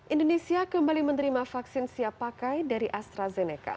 indonesia kembali menerima vaksin siap pakai dari astrazeneca